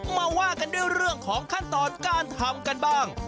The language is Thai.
มาว่ากันด้วยเรื่องของขั้นตอนการทำกันบ้าง